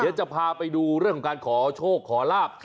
เดี๋ยวจะพาไปดูเรื่องของการขอโชคขอลาบ